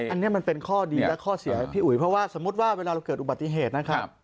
อันนี้มันเป็นข้อดีและข้อเสียพี่อุ๋ยเพราะว่าสมมุติว่าเวลาเราเกิดอุบัติเหตุนะครับ